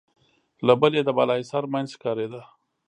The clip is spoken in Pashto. له بلې يې د بالاحصار مينځ ښکارېده.